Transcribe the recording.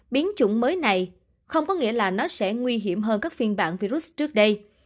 biến chủng mới này không có nghĩa là nó sẽ nguy hiểm hơn các phiên bản virus trước đây